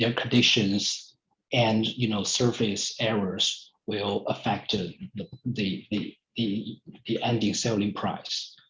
apakah kondisi mereka dan kesalahan di atasnya akan menyebabkan harga jualan berakhir